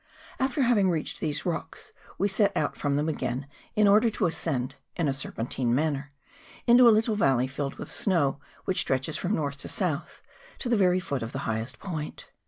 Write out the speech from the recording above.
After having reached these rocks we set out from them again in order to ascend, in a serpentine manner, into a little valley filled with snow which stretches from north to south, to the very foot of the highest point.